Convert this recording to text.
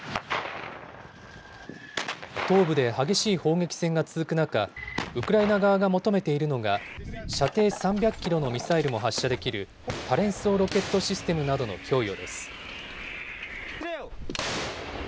東部で激しい砲撃戦が続く中、ウクライナ側が求めているのが、射程３００キロのミサイルも発射できる多連装ロケットシステムなどの供与です。